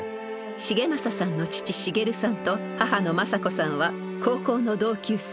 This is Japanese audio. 繁正さんの父茂さんと母の政子さんは高校の同級生。